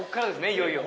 いよいよ。